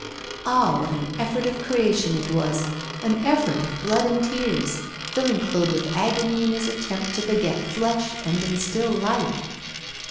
Ah! what an effort of creation it was, an effort of blood and tears, filling Claude with agony in his attempt to beget flesh and instil life!